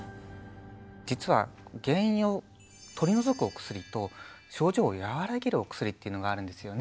実は「原因を取り除くお薬」と「症状を和らげるお薬」というのがあるんですよね。